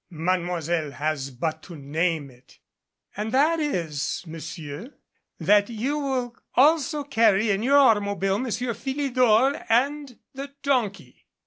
"Mademoiselle has but to name it." "And that is, Monsieur, that you will also carry in your automobile Monsieur Philidor and the donkey."